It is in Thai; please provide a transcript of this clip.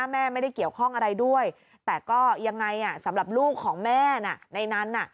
ไม่ได้เกี่ยวข้องอะไรด้วยแต่ก็ยังไงสำหรับลูกของแม่น่ะในนั้น